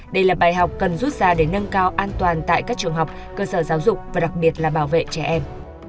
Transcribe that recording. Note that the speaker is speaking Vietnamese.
đây là bài học cần rút ra để nâng cao an toàn tại các trường học cơ sở giáo dục và đặc biệt là bảo vệ trẻ em